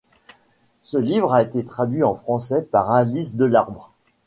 Ce livre a été traduit en français par Alice Delarbre.